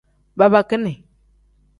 Babakini.